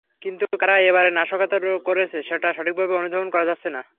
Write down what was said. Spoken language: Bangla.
কিন্তু কারা এবারের নাশকতা করছে, সেটা সঠিকভাবে অনুধাবন করা যাচ্ছে না।